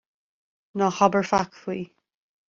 Ná habair faic faoi.